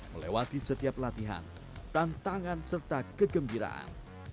melewati setiap latihan tantangan serta kegembiraan